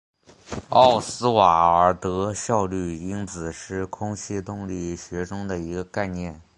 奥斯瓦尔德效率因子是空气动力学中的一个概念。